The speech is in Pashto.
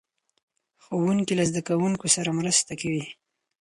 ښوونکي له زده کوونکو سره مرسته کوي.